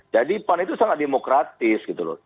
jadi pan itu sangat demokratis gitu loh